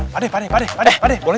pak dek pak dek kenapa disitu